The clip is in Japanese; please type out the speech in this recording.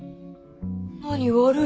何悪い？